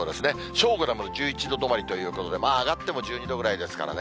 正午でも１１度止まりということで、上がっても１２度ぐらいですからね。